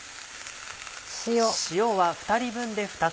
塩。